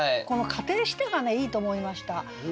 この「仮定して」がねいいと思いました。